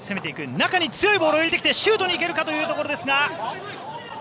中に強いボールを入れてきてシュートに行けるかというところですが。